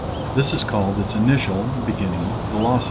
This is called its initial (beginning) velocity.